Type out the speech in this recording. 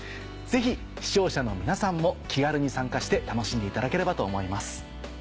ぜひ視聴者の皆さんも気軽に参加して楽しんでいただければと思います。